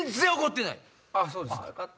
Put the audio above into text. あっそうですか。